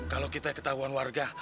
kalo kita ketahuan warga